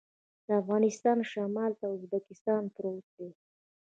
د افغانستان شمال ته ازبکستان پروت دی